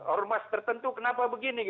ormas tertentu kenapa begini